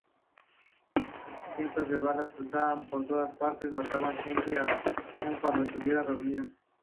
Cientos de balas cruzaban por todas partes, mataban gente, aun cuando estuviera dormida.